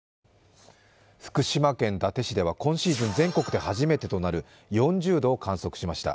福島県伊達市では今シーズン全国で初めてとなる４０度を観測しました。